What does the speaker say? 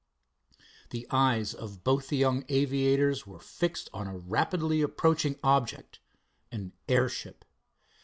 The eyes of both of the young aviators were fixed on a rapidly approaching object an airship.